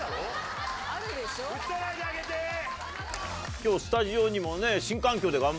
今日スタジオにもね。